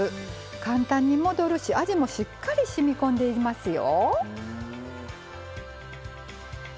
簡単に戻るし味もしっかりしみこんでいますよ。